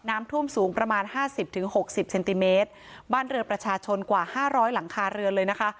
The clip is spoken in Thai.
น้ำท่วมสูงประมาณห้าสิบถึงหกสิบเซนติเมตรบ้านเรือนประชาชนกว่าห้าร้อยหลังคาเรือนเลยนะคะ